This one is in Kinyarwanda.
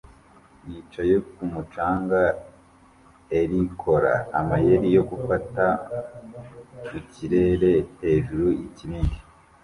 Yicaye kumu canga er ikora amayeri yo gufata mukirere hejuru yikibindi